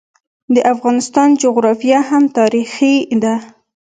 د افغانستان جغرافیه هم تاریخي ده.